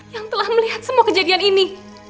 yang telah melihat semua kejadian ini